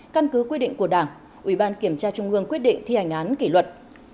căn cứ quy định của đảng ubnd quyết định thi hành án kỷ luật